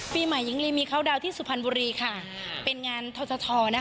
ปีใหม่หญิงลีมีเข้าดาวน์ที่สุพรรณบุรีค่ะเป็นงานททนะคะ